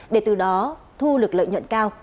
để từ đó thu lực lợi nhuận cao